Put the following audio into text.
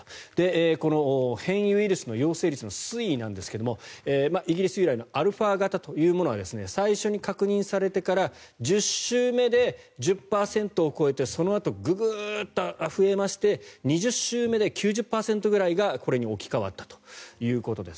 この変異ウイルスの陽性率の推移なんですがイギリス由来のアルファ型というものは最初に確認されてから１０週目で１０％を超えてそのあとググッと増えまして２０週目で９０％ぐらいがこれに置き換わったということです。